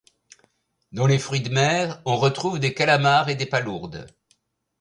Dans les fruits de mer, on retrouve des calamars et des palourdes.